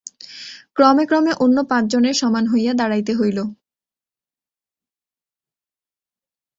ক্রমে ক্রমে অন্য পাঁচজনের সমান হইয়া দাঁড়াইতে হইল।